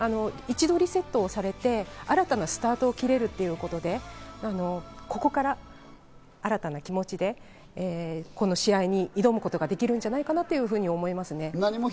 一度リセットされて、新たなスタートを切れるということで、ここから新たな気持ちで、この試合に挑むことができるんじゃないかなと思います。